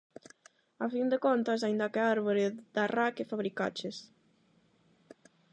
A fin de contas, aínda que a Árbore da ra que fabricaches...